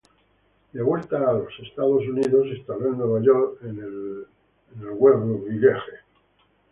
De vuelta en Estados Unidos, se instaló en Nueva York, en el West Village.